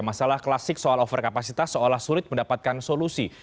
masalah klasik soal overkapasitas soal sulit mendapatkan solusi